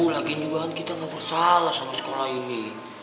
lagi juga kita nggak bersalah sama sekolah ini